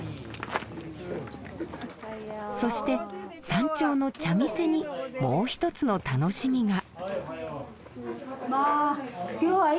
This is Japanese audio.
そして山頂の茶店にもう一つの楽しみが。